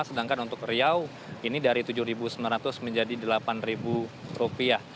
sedangkan untuk riau ini dari tujuh sembilan ratus menjadi rp delapan